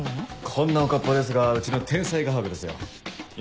こんなおかっぱですがうちの天才画伯ですよ。